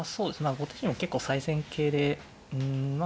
後手陣結構最善形でうんまあ